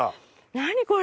何これ！